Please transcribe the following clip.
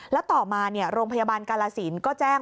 แล้วต่อมาโรงพยาบาลกาลสินก็แจ้ง